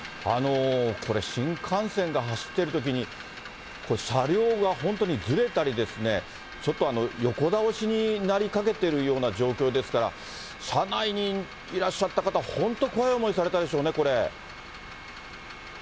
これ、新幹線が走っているときに、車両が本当にずれたり、ちょっと横倒しになりかけてるような状況ですから、車内にいらっしゃった方、本当、怖い思いされたでしょうね、これ。